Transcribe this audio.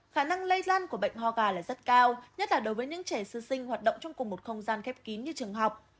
khả năng lây lan của bệnh ho gà là rất cao nhất là đối với những trẻ sư sinh hoạt động trong cùng một không gian khép kín như trường học